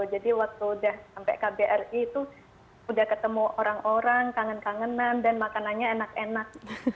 jadi waktu udah sampai kbri itu udah ketemu orang orang kangen kangenan dan makanannya enak enak